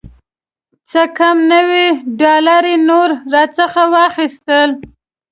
څه کم نوي ډالره یې نور راڅخه واخیستل.